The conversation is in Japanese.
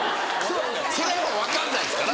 それは分かんないですから。